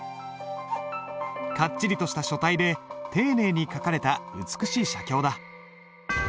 かっちりとした書体で丁寧に書かれた美しい写経だ。